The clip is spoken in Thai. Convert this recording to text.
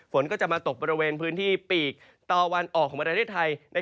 ฝนก็จะมาตกบริเวณพื้นที่ปีกตะวันออกของประเทศไทย